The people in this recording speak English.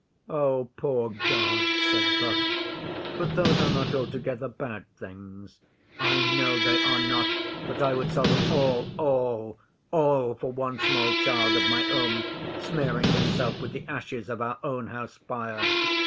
'Oh, poor God!' said Puck. 'But those are not altogether bad things.' 'I know they are not; but I would sell them all all all for one small child of my own, smearing himself with the ashes of our own house fire.